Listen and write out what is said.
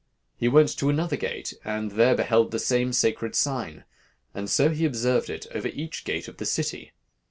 He went to another gate, and there he beheld the same sacred sign; and so he observed it over each gate of the city.